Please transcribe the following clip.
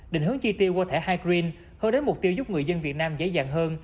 định hướng chi tiêu qua thẻ ham hơn đến mục tiêu giúp người dân việt nam dễ dàng hơn